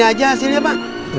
kamu jangan sampai kelewatan lagi ya